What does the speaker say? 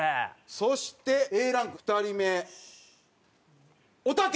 そしてＡランク２人目おたけ。